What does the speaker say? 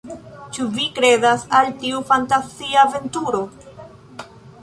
Ĉu vi kredas al tiu fantazia aventuro?